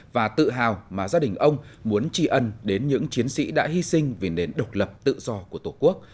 và tự hào mà gia đình ông muốn tri ân đến những chiến sĩ đã hy sinh vì nền độc lập tự do của tổ quốc